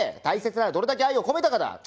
大切なのはどれだけ愛を込めたかだ。